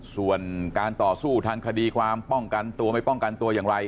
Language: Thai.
ส่วนการต่อสู้ทางคดีความป้องกันตัวไม่ป้องกันตัวอย่างไร